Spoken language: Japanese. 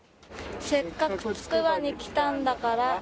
「せっかくつくばに来たんだから」